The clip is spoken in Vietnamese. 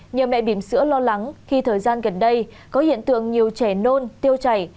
nhiều mẹ bìm sữa lo lắng khi thời gian gần đây có hiện tượng nhiều trẻ nôn tiêu chảy